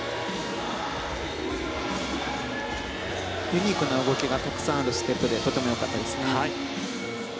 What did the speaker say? ユニークな動きがたくさんあるステップでとてもよかったですね。